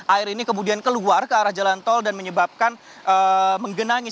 air ini kemudian keluar ke arah jalan tol dan menyebabkan menggenangi